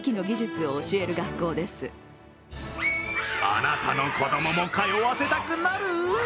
あなたの子供も通わせたくなる？